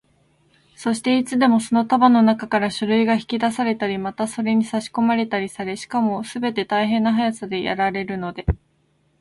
そして、いつでもその束のなかから書類が引き出されたり、またそれにさしこまれたりされ、しかもすべて大変な速さでやられるので、